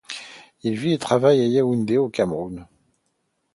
Il vit et travaille à Yaoundé, au Cameroun.